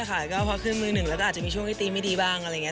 ก็พอขึ้นมือหนึ่งแล้วก็อาจจะมีช่วงที่ตีไม่ดีบ้างอะไรอย่างนี้